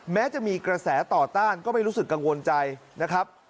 แม้จะมีกระแสต่อต้านก็ไม่รู้สึกกังวลใจนะครับ